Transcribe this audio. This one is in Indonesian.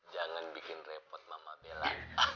jangan bikin repot mama bella